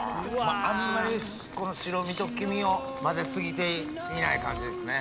あんまり白身と黄身を混ぜ過ぎていない感じですね。